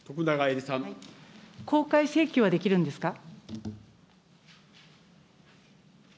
公開請求はできるんですか。